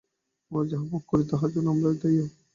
আমরা যাহা কিছু ভোগ করি, তাহার জন্য আমরাই দায়ী, অপর কেহ নহে।